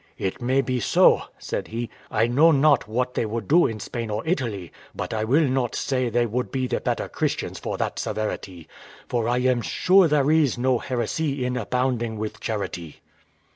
"It may be so," said he; "I know not what they would do in Spain or Italy; but I will not say they would be the better Christians for that severity; for I am sure there is no heresy in abounding with charity."